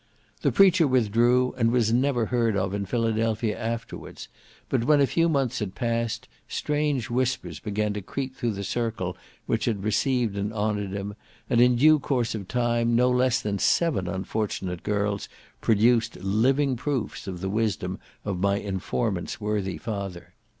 The preacher withdrew, and was never heard of in Philadelphia afterwards; but when a few months had passed, strange whispers began to creep through the circle which had received and honoured him, and, in due course of time, no less than seven unfortunate girls produced living proofs of the wisdom of my informant's worthy father.